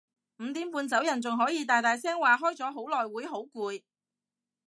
五點半走人仲可以大大聲話開咗好耐會好攰